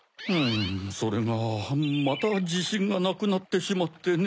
それがまたじしんがなくなってしまってね。